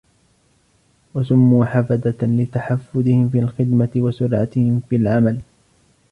وَسُمُّوا حَفَدَةً لِتَحَفُّدِهِمْ فِي الْخِدْمَةِ وَسُرْعَتِهِمْ فِي الْعَمَلِ